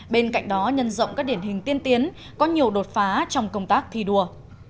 bên cạnh đó nhân rộng các điển hình tiên tiến có nhiều đột phá trong công tác thi đua